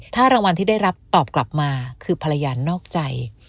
ถ้ารางวัลที่ได้รับตอบกลับมาคือภรรยานอกใจ